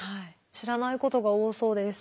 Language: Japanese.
知らないことが多そうです。